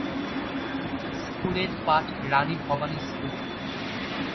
স্কুলে র পাঠ রাণী ভবানী স্কুলে।